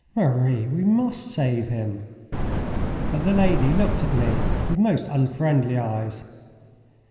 Marie, we must save him." But the lady looked at me with most unfriendly eyes.